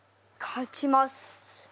勝ちますか！